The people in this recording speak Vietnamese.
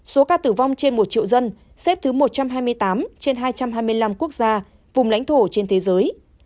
số ca tử vong trên một triệu dân xếp thứ một trăm hai mươi tám trên hai trăm hai mươi năm quốc gia vùng lãnh thổ trên thế giới